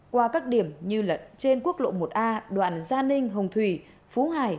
qua các điểm như trên quốc lộ một a đoạn gia ninh hồng thủy phú hải